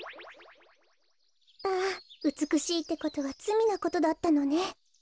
あうつくしいってことはつみなことだったのね。